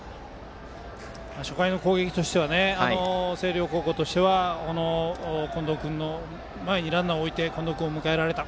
初回の攻撃としては星稜高校としては近藤君の前にランナーを置いて近藤君を迎えられた。